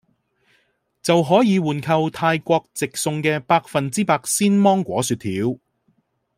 就可以換購泰國直送嘅百分之百鮮芒果雪條